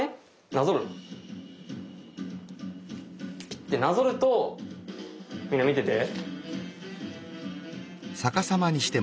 ピッてなぞるとみんな見てて。